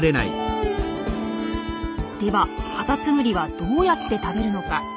ではカタツムリはどうやって食べるのか？